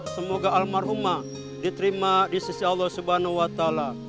semoga almarhumah diterima di sisi allah swt